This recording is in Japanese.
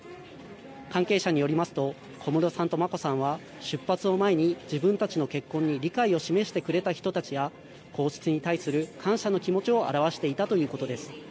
関係者によりますと小室さんと眞子さんは出発を前に自分たちの結婚に理解を示してくれた人たちや皇室に対する感謝の気持ちをあらわしていたということです。